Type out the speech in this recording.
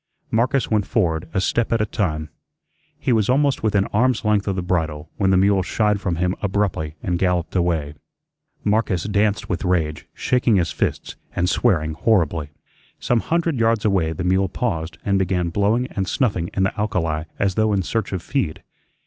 Marcus went forward a step at a time. He was almost within arm's length of the bridle when the mule shied from him abruptly and galloped away. Marcus danced with rage, shaking his fists, and swearing horribly. Some hundred yards away the mule paused and began blowing and snuffing in the alkali as though in search of feed.